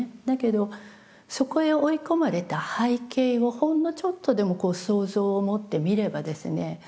だけどそこへ追い込まれた背景をほんのちょっとでも想像を持って見ればですね